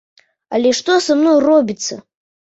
Але што са мной робіцца?